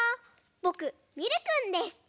ぼくミルくんです。